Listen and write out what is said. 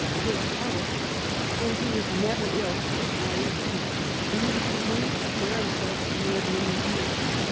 His health, though he was never ill, was always weak; and he was beginning to spare himself more than in his youth.